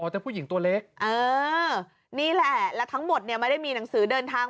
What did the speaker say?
แต่ผู้หญิงตัวเล็กเออนี่แหละแล้วทั้งหมดเนี่ยไม่ได้มีหนังสือเดินทาง